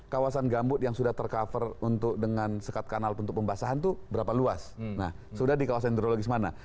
kawasan gambut yang sudah tercover untuk dengan sekat kanal untuk pembasahan itu berapa luas nah sudah di kawasan hidrologis mana